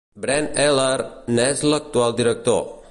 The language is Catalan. Brent Eller n'és l'actual director.